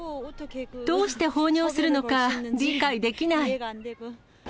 どうして放尿するのか理解できない。